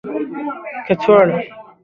کڅوړه